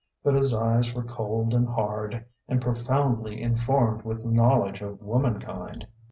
But his eyes were cold and hard and profoundly informed with knowledge of womankind.